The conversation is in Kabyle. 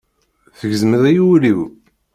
Tgezmeḍ-iyi ul-iw.